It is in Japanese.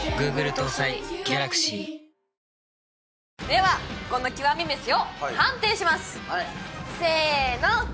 ではこの極み飯を判定しますせーの！